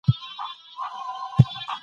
ایمي د دفتر د فشار له امله خسته شوه.